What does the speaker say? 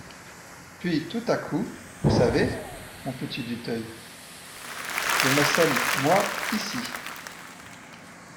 Puis, tout d'un coup : Vous savez, mon petit Dutheil, je m'assomme, moi, ici.